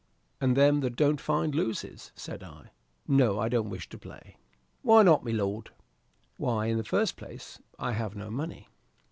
"And them that don't find, loses," said I. "No, I don't wish to play." "Why not, my lord?" "Why, in the first place, I have no money."